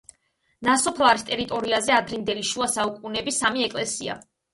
ნასოფლარის ტერიტორიაზეა ადრინდელი შუა საუკუნეების სამი ეკლესია.